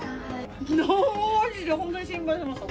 まじで、本当に心配しました。